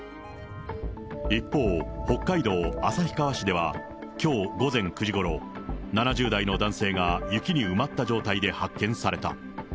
一方、北海道旭川市では、きょう午前９時ごろ、７０代の男性が雪に埋まった状態で発見された。